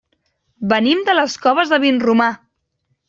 Venim de les Coves de Vinromà.